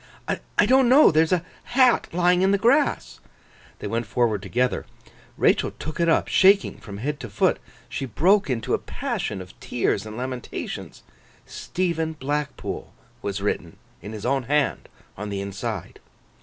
'I don't know. There is a hat lying in the grass.' They went forward together. Rachael took it up, shaking from head to foot. She broke into a passion of tears and lamentations: Stephen Blackpool was written in his own hand on the inside.